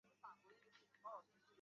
奥地利军队迅速占领了这些领土。